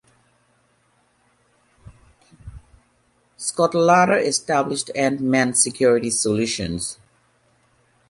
Scott later established Ant-Man Security Solutions.